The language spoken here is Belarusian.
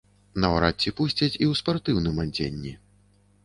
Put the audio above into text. Наўрад ці пусцяць і ў спартыўным адзенні.